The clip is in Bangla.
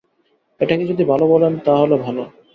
এটাকে যদি ভাল বলেন তা হলে ভাল।